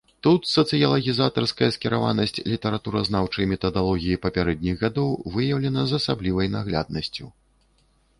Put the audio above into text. Тут сацыялагізатарская скіраванасць літаратуразнаўчай метадалогіі папярэдніх гадоў выяўлена з асаблівай нагляднасцю.